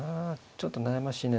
ちょっと悩ましいね。